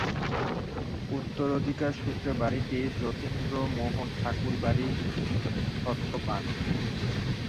উত্তরাধিকার সূত্রে বাড়িটি যতীন্দ্রমোহন ঠাকুর বাড়ির স্বত্ব পান।